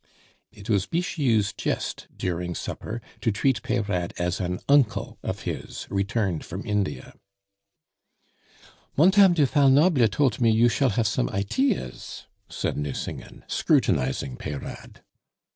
It was Bixiou's jest during supper to treat Peyrade as an uncle of his, returned from India. "Montame du Fal Noble tolt me you shall have some iteas," said Nucingen, scrutinizing Peyrade.